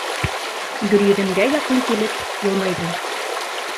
Гөлйөҙөмгә яҡын килеп йылмайҙы.